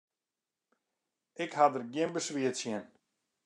Ik ha der gjin beswier tsjin.